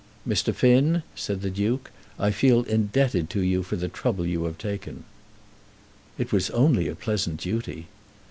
"Mr. Finn," said the Duke, "I feel indebted to you for the trouble you have taken." "It was only a pleasant duty."